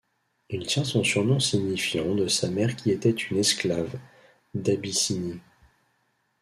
Il tient son surnom signifiant de sa mère qui était une esclave d'Abyssinie.